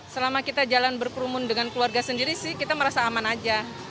selama kita jalan berkerumun dengan keluarga sendiri sih kita merasa aman aja